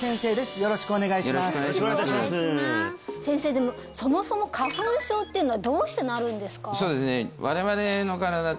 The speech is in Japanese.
よろしくお願いします先生でもそもそも花粉症っていうのはどうしてなるんですか？